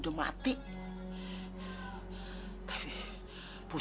jangan intip intip gua